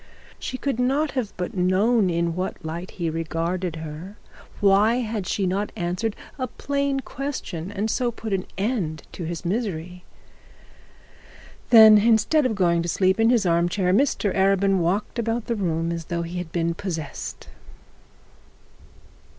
She could not but have known in what light he regarded her. Why had she not answered a plain question, and so put an end to his misery? Then, instead of going to sleep in his arm chair, Mr Arabin walked about the room as though he had been possessed.